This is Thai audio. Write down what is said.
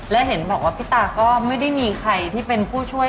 และเห็นบอกว่าพี่ตาก็ไม่ได้มีใครที่เป็นผู้ช่วย